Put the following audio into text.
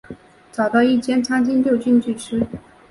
找到一间餐厅就进去吃